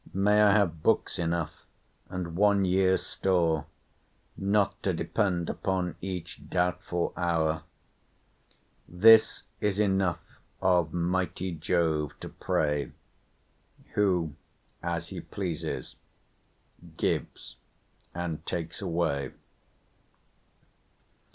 May I have books enough; and one year's store, Not to depend upon each doubtful hour: This is enough of mighty Jove to pray, Who, as he pleases, gives and takes away."